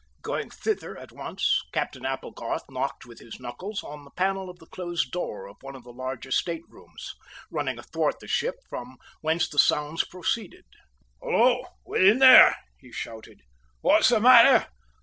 Going thither at once, Captain Applegarth knocked with his knuckles on the panel of the closed door of one of the larger state rooms, running athwart the ship from whence the sounds proceeded. "Hullo, within there!" he shouted, "what's the matter?